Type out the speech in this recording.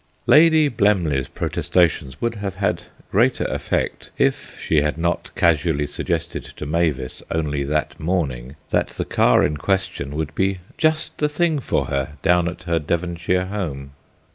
Lady Blemley's protestations would have had greater effect if she had not casually suggested to Mavis only that morning that the car in question would be just the thing for her down at her Devonshire home.